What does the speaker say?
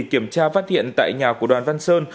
kiểm tra phát hiện tại nhà của đoàn văn sơn